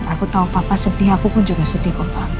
aku tau papa sedih aku pun juga sedih